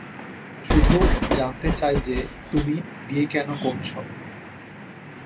শুধু জানতে চাই যে, তুমি বিয়ে কেন করছো?